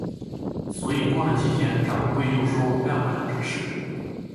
所以过了几天，掌柜又说我干不了这事。